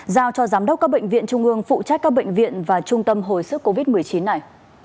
giao cho giám đốc các bệnh viện trung ương phụ trách các bệnh viện và trung tâm hồi sức covid một mươi chín này